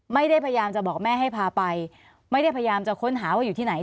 พยายามจะบอกแม่ให้พาไปไม่ได้พยายามจะค้นหาว่าอยู่ที่ไหน